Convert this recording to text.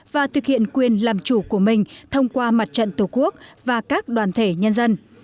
và thực hiện quyền làm chủ của mình thông qua mặt trận tổ quốc và các đoàn thể nhân dân